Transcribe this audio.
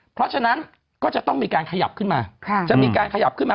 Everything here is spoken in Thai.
เพราะฉะนั้นก็จะต้องมีการขยับขึ้นมา